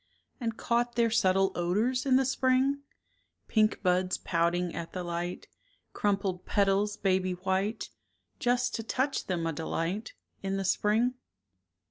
And caught their subtle odors in the spring ? Pink buds pouting at the light, Crumpled petals baby white, Just to touch them a delight — In the spring?